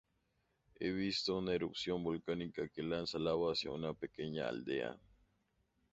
He visto una erupción volcánica que lanza lava hacia una pequeña aldea.